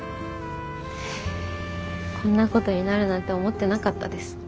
こんなことになるなんて思ってなかったです。